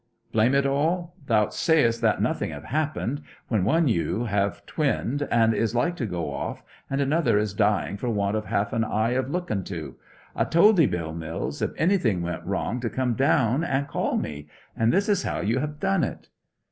'Blame it all thou'st say that nothing have happened; when one ewe have twinned and is like to go off, and another is dying for want of half an eye of looking to! I told 'ee, Bill Mills, if anything went wrong to come down and call me; and this is how you have done it.'